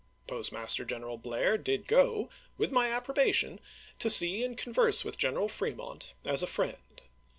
Postmaster General Blair did go, with my approbation, to see and converse with General Fremont as a friend.